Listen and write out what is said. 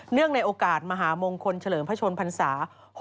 ในโอกาสมหามงคลเฉลิมพระชนพรรษา